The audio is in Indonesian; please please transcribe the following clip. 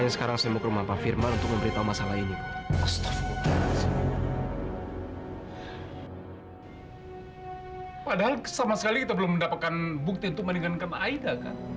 sampai jumpa di video selanjutnya